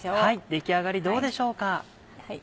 出来上がりどうでしょうか。